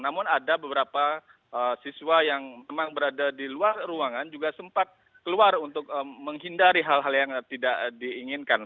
namun ada beberapa siswa yang memang berada di luar ruangan juga sempat keluar untuk menghindari hal hal yang tidak diinginkan